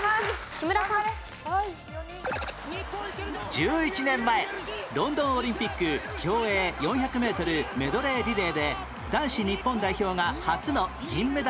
１１年前ロンドンオリンピック競泳４００メートルメドレーリレーで男子日本代表が初の銀メダルを獲得